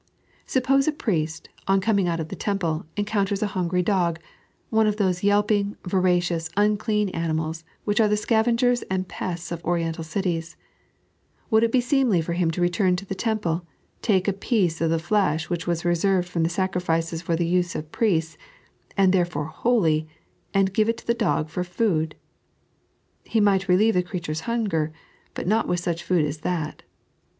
Bup poee a priest, on coming out of the Temple, encounters a hiingiy dog — one of those yelping, Toracious, unclean animals, which are the scavengers and pests of Oriental cities— would it be aeemly for him to return to the Temple, take a piece of the flesh which was reserved from the sacrifices for the use of priests, and therefore hdy, and give it to the dog for food i He might relieve the creature's hunger, but not with aucfa food as that.